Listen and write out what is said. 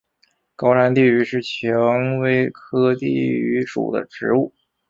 高山地榆是蔷薇科地榆属的植物。